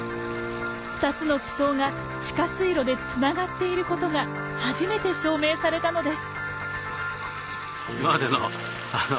２つの池溏が地下水路でつながっていることが初めて証明されたのです。